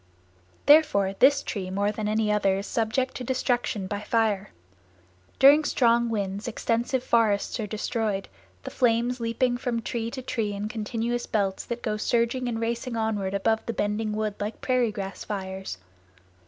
Therefore this tree more than any other is subject to destruction by fire. During strong winds extensive forests are destroyed, the flames leaping from tree to tree in continuous belts that go surging and racing onward above the bending wood like prairie grass fires.